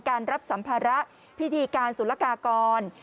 การรับสัมภาระพิธีการศุลกากร